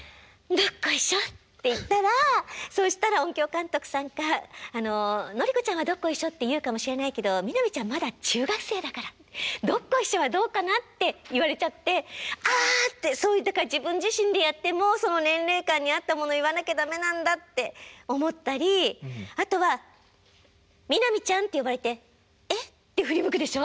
「どっこいしょ」って言ったらそしたら音響監督さんが「あののり子ちゃんはどっこいしょって言うかもしれないけど南ちゃんまだ中学生だからどっこいしょはどうかな」って言われちゃって「ああ」って。だから自分自身でやってもその年齢間に合ったものを言わなきゃ駄目なんだって思ったりあとは「南ちゃん」って呼ばれて「え？」って振り向くでしょ？